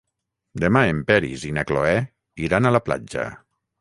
Demà en Peris i na Cloè iran a la platja.